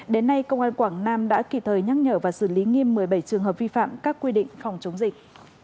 đến nay công an quảng nam đã kịp thời nhắc nhở và xử lý nghiêm một mươi bảy trường hợp vi phạm các quy định phòng chống dịch